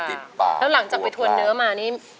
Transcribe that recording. แล้วหลังจากไปทวนเนื้อมา